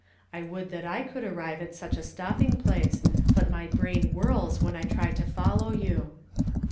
I would that I could arrive at such a stop l)ing phice, but my brain whirls when I try to follow you."